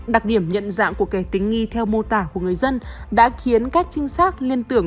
đặc điểm nhận dạng của kẻ tính nghi theo mô tả của người dân đã khiến các trinh sát liên tưởng